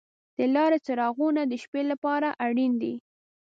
د لارې څراغونه د شپې لپاره اړین دي.